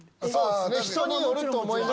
人によると思いますよ。